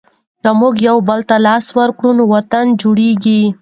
که موږ یوبل ته لاس ورکړو نو وطن جوړېږي.